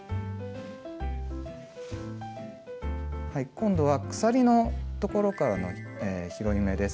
今度は鎖のところからの拾い目です。